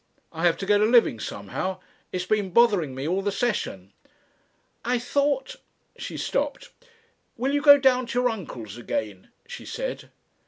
I have to get a living somehow. It's been bothering me all the session." "I thought " She stopped. "Will you go down to your uncle's again?" she said.